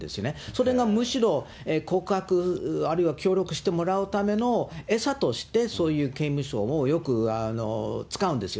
それがむしろ、告白、あるいは協力してもらうための餌としてそういう刑務所をよく使うんですよ。